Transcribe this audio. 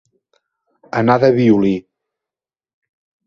Anar de violí.